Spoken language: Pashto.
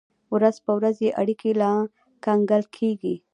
ورځ په ورځ یې اړیکې لا ګنګل کېږي.